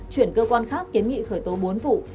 chuyển cơ quan khác kiến nghị khởi tố bốn vụ